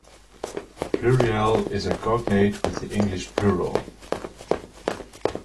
Pluriel is a cognate with the English "plural".